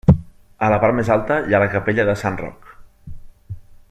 A la part més alta hi ha la capella de Sant Roc.